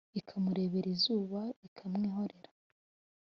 ikamurebera izuba : ikamwihorera.